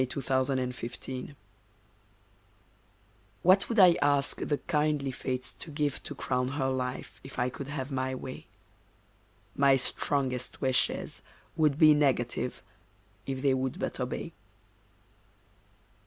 WISHES FOR A LITTLE GIRL What would I ask the kindly fates to give To crown her life, if I could have my way? My strongest wishes would be negative, If they would but obey.